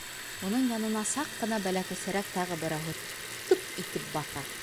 Уның янына саҡ ҡына бәләкәсерәк тағы берәүһе тып итеп баҫа: